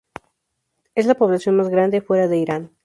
Es la población más grande fuera de Irán.